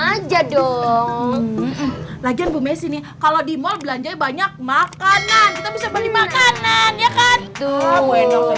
aja dong lagian bume sini kalau di mal belanjanya banyak makanan kita bisa beli makanan ya kan